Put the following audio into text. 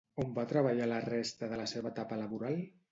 On va treballar la resta de la seva etapa laboral?